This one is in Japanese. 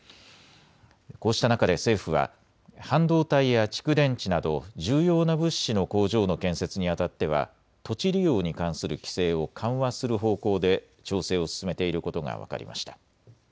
こうした中で政府は半導体や蓄電池など重要な物資の工場の建設にあたっては土地利用に関する規制を緩和する方向で調整を進めていることが分かりました。